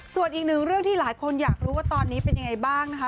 ส่วนอีกหนึ่งเรื่องที่หลายคนอยากรู้ว่าตอนนี้เป็นยังไงบ้างนะคะ